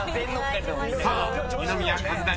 ［さあ二宮和也